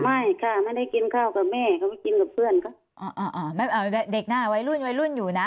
ไม่ค่ะไม่ได้กินข้าวกับแม่เขาไปกินกับเพื่อนเขาอ่าไม่เอาเด็กหน้าวัยรุ่นวัยรุ่นอยู่นะ